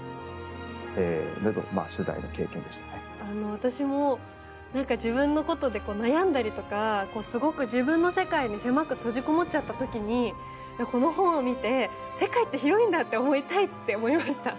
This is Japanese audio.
私も自分のことで悩んだりとかすごく自分の世界に狭く閉じこもっちゃったときにこの本を見て世界って広いんだと思いたいと思いました。